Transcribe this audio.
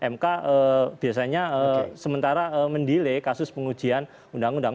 mk biasanya sementara mendelay kasus pengujian undang undang